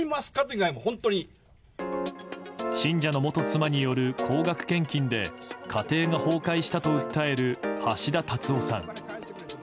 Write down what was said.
信者の元妻による高額献金で家庭が崩壊したと訴える橋田達夫さん。